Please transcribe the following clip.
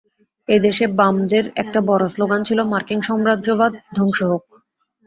এ দেশে বামদের একটা বড় স্লোগান ছিল মার্কিন সাম্রাজ্যবাদ ধ্বংস হোক।